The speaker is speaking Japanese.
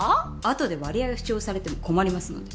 後で割合を主張されても困りますので。